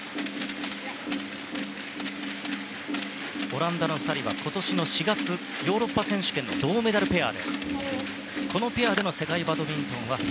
オランダの２人は今年の４月ヨーロッパ選手権の銅メダルペアです。